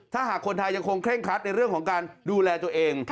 ถ้าหากคนไทยยังคงเคร่งครัดในเรื่องของการดูแลตัวเอง